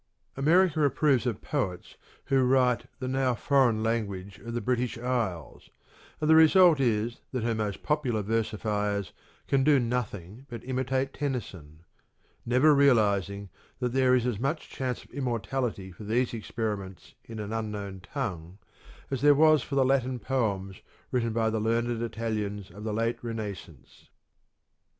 America approves of 2i8 CRITICAL STUDIES poets who write the now foreign language of the British Isles, and the result is that her most popular versifiers can do nothing but imitate Tennyson ; never realizing that there is as much chance of immortality for these experiments in an unknown tongue as there was for the Latin poems written by the learned Italians of the late Renaissance.